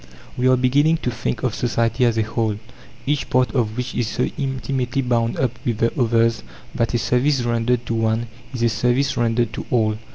We are beginning to think of society as a whole, each part of which is so intimately bound up with the others that a service rendered to one is a service rendered to all.